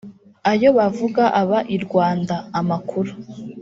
Ayo bavuga aba i Rwanda (amakuru